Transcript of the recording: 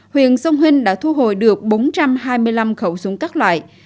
huyện sông hinh đã thu hồi được bốn trăm hai mươi năm khẩu súng các loại